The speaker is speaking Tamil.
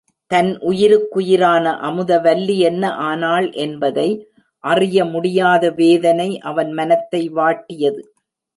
தன் உயிருக்குயிரான அமுதவல்லி என்ன ஆனாள் என்பதை அறியமுடியாத வேதனை அவன் மனத்தை வாட்டியது.